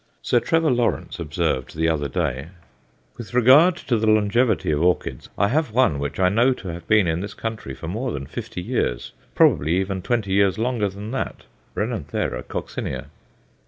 Sir Trevor Lawrence observed the other day: "With regard to the longevity of orchids, I have one which I know to have been in this country for more than fifty years, probably even twenty years longer than that Renanthera coccinea."